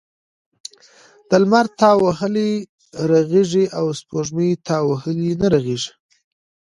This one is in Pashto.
د لمر تاو وهلی رغیږي او دسپوږمۍ تاو وهلی نه رغیږی .